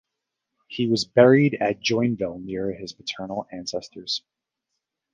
He was buried at Joinville near his paternal ancestors.